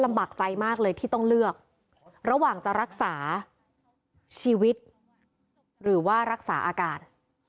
ใจมากเลยที่ต้องเลือกระหว่างจะรักษาชีวิตหรือว่ารักษาอาการ